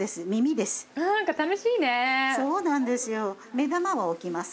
目玉を置きます。